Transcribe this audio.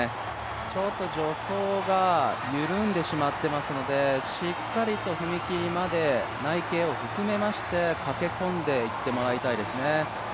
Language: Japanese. ちょっと助走が緩んでしまっていますのでしっかりと踏み切りまで内傾を含めまして駆け込んでいってもらいたいですね。